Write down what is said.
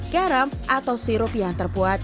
garam atau sirup yang terbuat